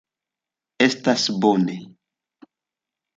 Estas bone.